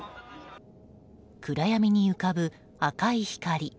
暗闇に浮かぶ赤い光。